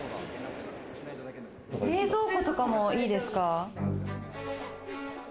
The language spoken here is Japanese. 冷蔵庫とかもいいですか？